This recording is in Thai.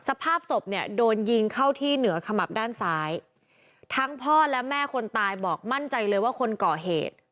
สภาพศพเนี่ยโดนยิงเข้าที่เหนือขมับด้านซ้ายทั้งพ่อและแม่คนตายบอกมั่นใจเลยว่าคนก่อเหตุ